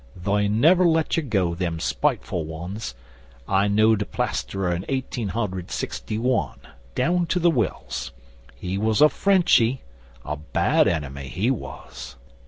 'They never let you go, them spiteful ones. I knowed a plasterer in Eighteen hundred Sixty one down to the wells. He was a Frenchy a bad enemy he was.